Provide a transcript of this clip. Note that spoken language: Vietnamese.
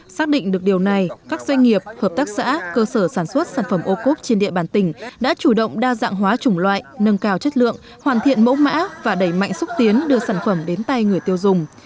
xác định được điều này các doanh nghiệp hợp tác xã cơ sở sản xuất sản phẩm ô cốp trên địa bàn tỉnh đã chủ động đa dạng hóa chủng loại nâng cao chất lượng hoàn thiện mẫu mã và đẩy mạnh xúc tiến đưa sản phẩm đến tay người tiêu dùng